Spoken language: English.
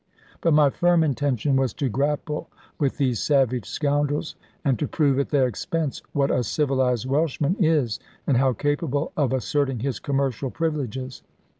But my firm intention was to grapple with these savage scoundrels, and to prove at their expense what a civilised Welshman is, and how capable of asserting his commercial privileges.